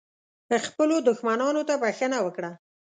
خپلو دښمنانو ته بښنه وکړه .